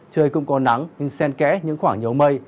trời cũng còn nắng nhưng sen kẽ những khoảng nhớ mây